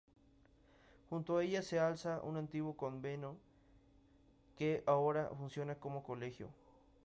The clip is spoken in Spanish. Junto a ella se alza un antiguo convento que ahora funciona como colegio.